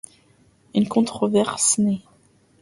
Une controverse naît.